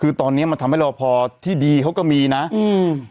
คือตอนเนี้ยมันทำให้รอพอที่ดีเขาก็มีนะอืม